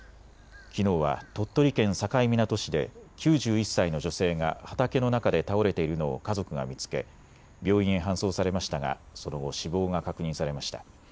きのうは鳥取県境港市で９１歳の女性が畑の中で倒れているのを家族が見つけ病院へ搬送されましたがその後、死亡が確認されました。